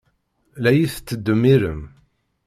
La iyi-tettdemmirem.